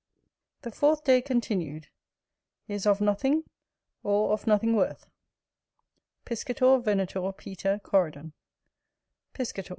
The fourth day continued Is of nothing, or of nothing worth Chapter XVI Piscator, Venator, Peter, Coridon Piscator.